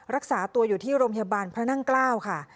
รักษาตัวอยู่ที่โรงพยาบาลพระนั่งเกล้าค่ะ